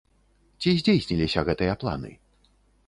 Ці здзейсніліся гэтыя планы?